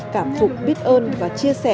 cảm phục biết ơn và chia sẻ